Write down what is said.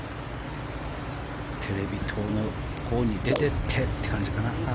テレビ塔のほうに出てってって感じかな。